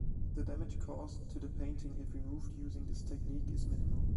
The damage caused to the painting if removed using this technique is minimal.